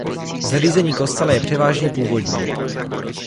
Zařízení kostela je převážně původní.